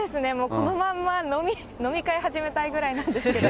このまんま飲み会始めたいぐらいなんですけど。